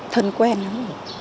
thân quen lắm